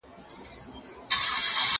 دا فکر له هغه مهم دی!؟